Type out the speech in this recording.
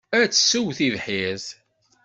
Ad tessew tibḥirt.